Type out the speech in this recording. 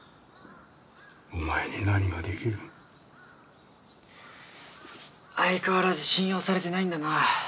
お前に何ができる？相変わらず信用されてないんだな。